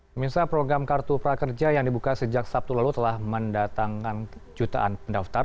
pemirsa program kartu prakerja yang dibuka sejak sabtu lalu telah mendatangkan jutaan pendaftar